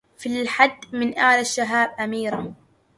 في اللحد من آل الشهاب أميرة